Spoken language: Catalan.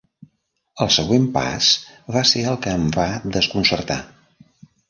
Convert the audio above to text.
El següent pas va ser el que em va desconcertar.